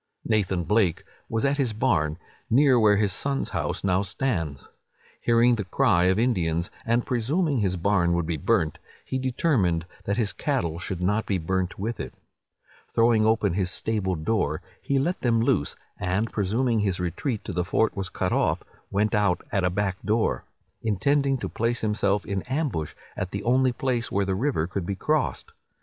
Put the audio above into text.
Nathan Blake was at his barn, near where his son's house now stands. Hearing the cry of Indians, and presuming his barn would be burnt, he determined that his cattle should not be burnt with it. Throwing open his stable door, he let them loose, and presuming his retreat to the fort was cut off, went out at a back door, intending to place himself in ambush at the only place where the river could be crossed.